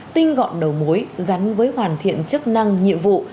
tinh gọn đầu mối gắn với hoàn thiện chức năng nhiệm vụ